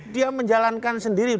dia menjalankan sendiri